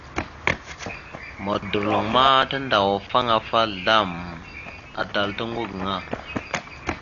Modorloŋ ma tandawafaŋ afa azlam atal ata oŋgo gaŋa.